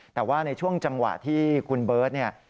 แต่ว่าในช่วงจังหวะที่คุณเบิร์ตเนี่ย